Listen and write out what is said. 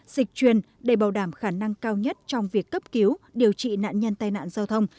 dịch truyền để bảo đảm khả năng cao nhất trong việc cấp cứu điều trị nạn nhân tai nạn giao thông